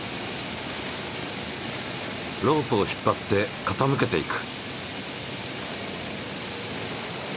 ロープを引っ張ってかたむけていく。